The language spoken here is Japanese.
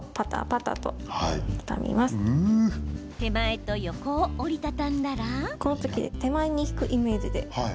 手前と横を折り畳んだら。